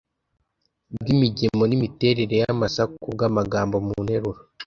bw’imigemo n’imiterere y’amasaku by’amagambo mu nteruro,